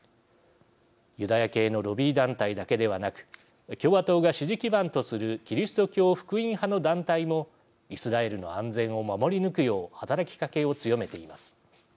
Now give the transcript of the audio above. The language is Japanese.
ユダヤ系のロビー団体だけではなく共和党が支持基盤とするキリスト教福音派の団体もイスラエルの安全を守り抜くよう働きかけを強めています。